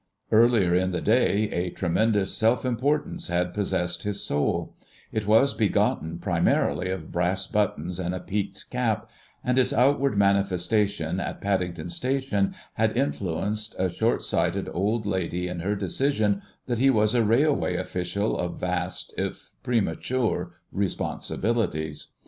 Earlier in the day a tremendous self importance had possessed his soul; it was begotten primarily of brass buttons and a peaked cap, and its outward manifestation at Paddington Station had influenced a short sighted old lady in her decision that he was a railway official of vast, if premature, responsibilities.